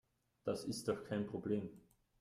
Das ist doch kein Problem.